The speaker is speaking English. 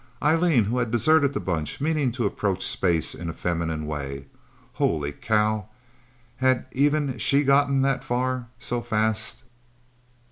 Eileen who had deserted the Bunch, meaning to approach space in a feminine way? Holy cow, had even she gotten that far, so fast?